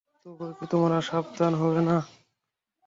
তবুও কি তোমরা সাবধান হবে না।